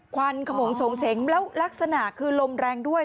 ควันขมงโฉงเฉงแล้วลักษณะคือลมแรงด้วย